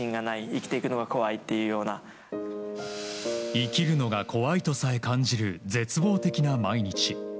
生きるのが怖いとさえ感じる絶望的な毎日。